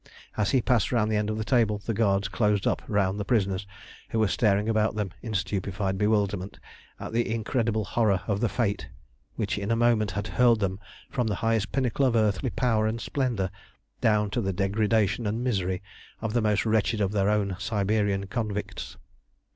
As he passed round the end of the table the guards closed up round the prisoners, who were staring about them in stupefied bewilderment at the incredible horror of the fate which in a moment had hurled them from the highest pinnacle of earthly power and splendour down to the degradation and misery of the most wretched of their own Siberian convicts.